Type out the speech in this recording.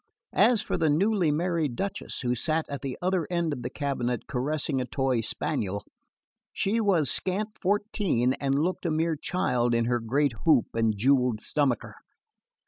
As for the newly married Duchess, who sat at the other end of the cabinet caressing a toy spaniel, she was scant fourteen and looked a mere child in her great hoop and jewelled stomacher.